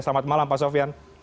selamat malam pak sofian